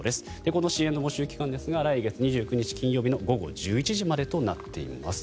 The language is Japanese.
この支援の募集期間ですが来月２９日、金曜日の１１時までとなっています。